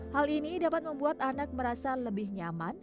hal ini dapat membuat anak merasa lebih nyaman